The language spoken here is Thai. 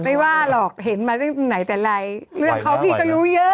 ไม่ว่าหรอกเห็นมาไหนแต่ไรเรื่องเขาพี่ก็รู้เยอะ